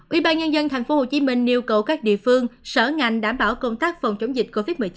ubnd tp hcm yêu cầu các địa phương sở ngành đảm bảo công tác phòng chống dịch covid một mươi chín